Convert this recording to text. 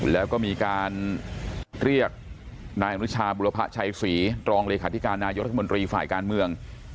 แล้วก็มีการเรียกนายอนุชาบุรพะชัยศรีรองเลขาธิการนายกรัฐมนตรีฝ่ายการเมือง